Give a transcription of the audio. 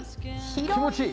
気持ちいい！